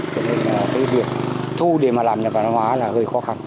cho nên là cái việc thu để mà làm nhà văn hóa là hơi khó khăn